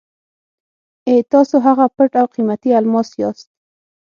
اې! تاسو هغه پټ او قیمتي الماس یاست.